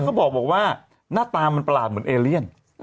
เขาบอกว่าหน้าตามันประหลาดเหมือนเอเลียน